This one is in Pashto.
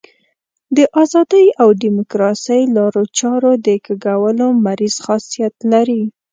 د ازادۍ او ډیموکراسۍ لارو چارو د کږولو مریض خاصیت لري.